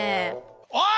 おい！